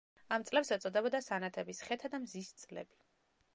ამ წლებს ეწოდებოდა სანათების, ხეთა და მზის წლები.